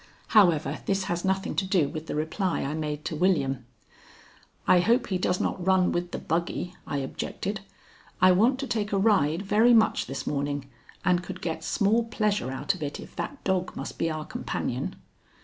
However, this has nothing to do with the reply I made to William. "I hope he does not run with the buggy," I objected. "I want to take a ride very much this morning and could get small pleasure out of it if that dog must be our companion."